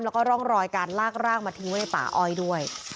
แล้วก็ร่องรอยการลากร่างมาทิ้งไว้ในป่าอ้อยด้วย